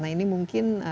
nah ini mungkin